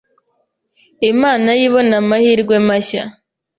Imana yo ibona amahirwe mashya.